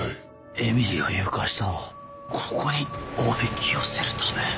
えみりを誘拐したのはここにおびき寄せるため？